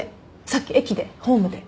さっき駅でホームで。